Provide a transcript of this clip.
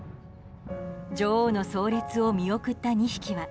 女王の参列を見送った２匹は